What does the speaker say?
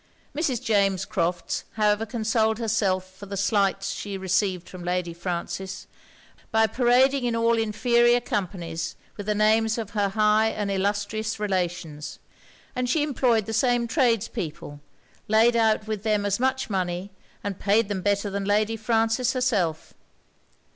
Mrs. James Crofts however consoled herself for the slights she received from Lady Frances, by parading in all inferior companies with the names of her high and illustrious relations: and she employed the same tradespeople; laid out with them as much money; and paid them better than Lady Frances herself.